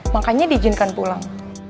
makanya diizinkan pulang